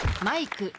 マイク。